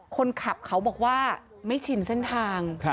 คนขับเขาบอกว่าไม่ชินเส้นทาง